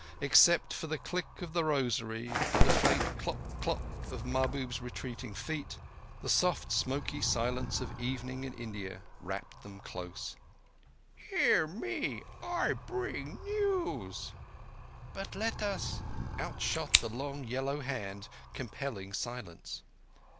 Except for the click of the rosary and a faint clop clop of Mahbub's retreating feet, the soft, smoky silence of evening in India wrapped them close. "Hear me! I bring news." "But let us—" Out shot the long yellow hand compelling silence.